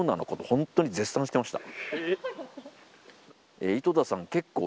本当に絶賛してました。